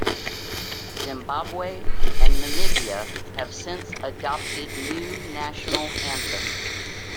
Zimbabwe and Namibia have since adopted new national anthems.